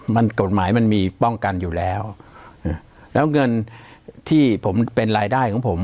มันกฎหมายมันมีป้องกันอยู่แล้วแล้วเงินที่ผมเป็นรายได้ของผม